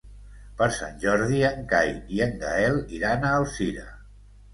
Per Sant Jordi en Cai i en Gaël iran a Alzira.